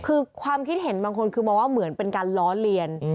คือความคิดเห็นบางคนคือมองว่าเหมือนเป็นการล้อเลียน